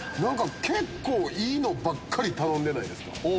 結構いいのばっかり頼んでないですか？